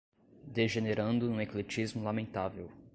degenerando num ecletismo lamentável